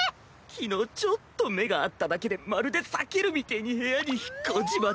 昨日ちょっと目が合っただけでまるで避けるみてぇに部屋に引っ込んじまって。